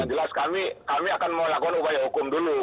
yang jelas kami akan melakukan upaya hukum dulu